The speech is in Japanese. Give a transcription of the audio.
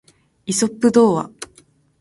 イソップ童話